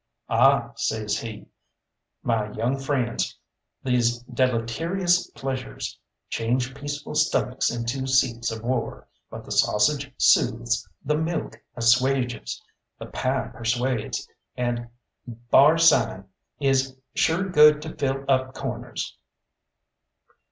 "Ah," says he, "my young friends, these deleterious pleasures change peaceful stomachs into seats of war; but the sausage soothes, the milk assuages, the pie persuades, and b'ar sign is sure good to fill up corners.